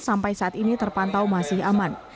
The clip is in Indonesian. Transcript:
sampai saat ini terpantau masih aman